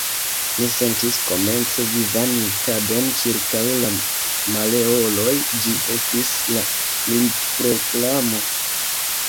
Mi sentis, komence, vivan jukadon ĉirkaŭ la maleoloj: ĝi estis la militproklamo.